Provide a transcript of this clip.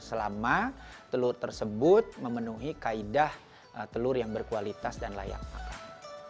selama telur tersebut memenuhi kaedah telur yang berkualitas dan layak makan